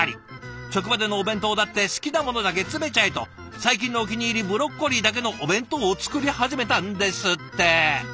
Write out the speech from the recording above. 職場でのお弁当だって好きなものだけ詰めちゃえと最近のお気に入りブロッコリーだけのお弁当を作り始めたんですって。